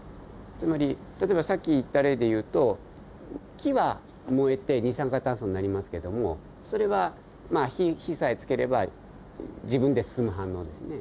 つまり例えばさっき言った例でいうと木は燃えて二酸化炭素になりますけどもそれはまあ火さえつければ自分で進む反応ですね。